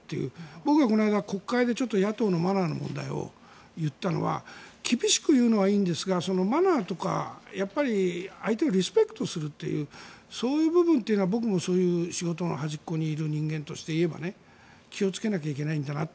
僕はこの間、国会で野党のマナーの問題を言ったのは厳しく言うのはいいんですがマナーとかやっぱり相手をリスペクトするというそういう部分というのは僕もそういう仕事の端っこにいる人間として言えば気をつけなければいけないんだなって。